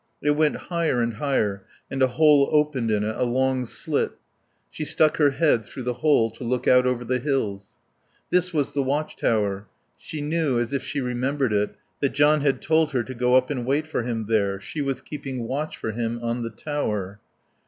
It went higher and higher and a hole opened in it, a long slit. She stuck her head through the hole to look out over the hills. This was the watch tower. She knew, as if she remembered it, that John had told her to go up and wait for him there; she was keeping watch for him on the tower.